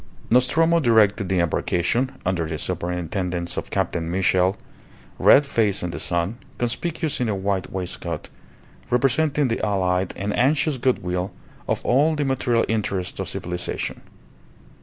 Nostromo directed the embarkation, under the superintendendence of Captain Mitchell, red faced in the sun, conspicuous in a white waistcoat, representing the allied and anxious goodwill of all the material interests of civilization.